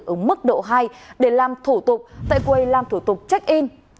ở mức độ hai để làm thủ tục tại quầy làm thủ tục check in